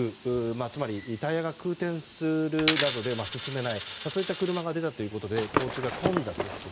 つまりタイヤが空転するなどで進めないといった車が出たということで交通が混雑する。